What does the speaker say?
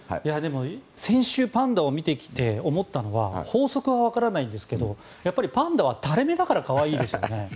先週、パンダを見てきて思ったのは法則は分からないんですけどパンダは垂れ目だから可愛いんですよね。